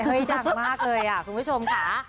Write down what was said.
เฮ้ยดังมากเลยอ่ะคุณผู้ชมค่ะ